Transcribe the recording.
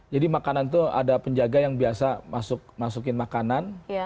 jadi makanan itu ada penjaga yang biasa masukin makanan